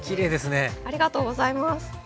ありがとうございます。